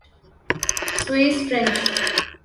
Swiss French